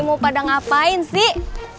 mau pada ngapain sih